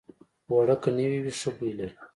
اوړه که نوي وي، ښه بوی لري